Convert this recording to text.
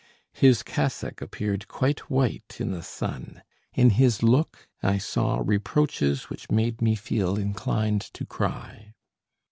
His cassock appeared quite white in the sun; in his look I saw reproaches which made me feel inclined to cry.